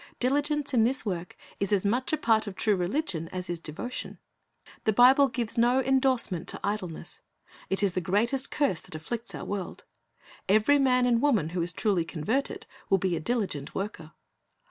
Diligence in this work is as much a part of true religion as is devotion. The Bible gives no indorsement to idleness. It is the greatest curse that afflicts our world. Eveiy man and woman who is truly converted will be a diligent worker.